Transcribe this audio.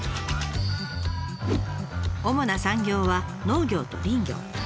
主な産業は農業と林業。